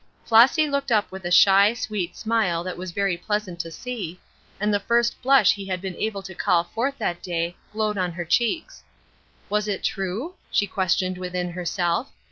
Flossy looked up with a shy, sweet smile that was very pleasant to see, and the first blush he had been able to call forth that day glowed on her cheeks. Was it true? she questioned within herself.